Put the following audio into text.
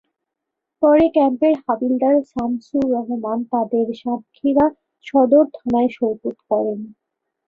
পরে ক্যাম্পের হাবিলদার শামছুর রহমান তাঁদের সাতক্ষীরা সদর থানায় সোপর্দ করেন।